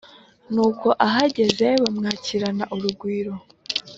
nuko ahageze bamwakirana urugwiro,